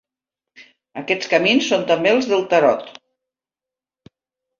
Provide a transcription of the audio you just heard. Aquests camins són també els del Tarot.